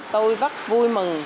tôi rất vui mừng